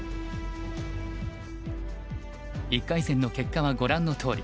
１回戦の結果はご覧のとおり。